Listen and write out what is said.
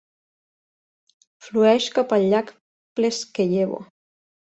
Flueix cap al llac Plescheyevo.